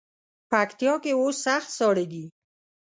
پکتیا کې اوس سخت ساړه دی.